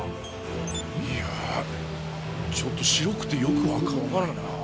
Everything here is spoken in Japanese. いやちょっと白くてよく分からないな。